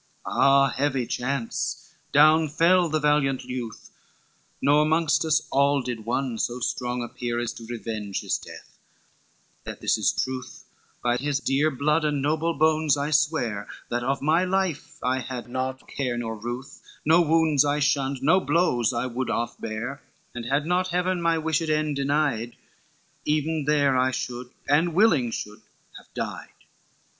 XXIV "Ah, heavy chance! Down fell the valiant youth, Nor mongst us all did one so strong appear As to revenge his death: that this is truth, By his dear blood and noble bones I swear, That of my life I had not care nor ruth, No wounds I shunned, no blows I would off bear, And had not Heaven my wished end denied, Even there I should, and willing should, have died.